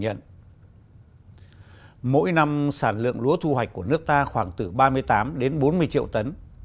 ông bình nói mỗi năm sản lượng lúa thu hoạch của nước ta khoảng từ ba mươi tám đến bốn mươi triệu tấn